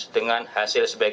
dengan hasil sebagai berikut